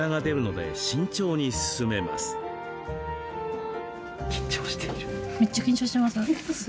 めっちゃ緊張しています。